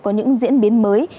có những diễn biến mới